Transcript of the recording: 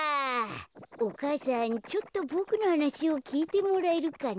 お母さんちょっとボクのはなしをきいてもらえるかな。